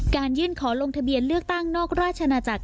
ยื่นขอลงทะเบียนเลือกตั้งนอกราชนาจักร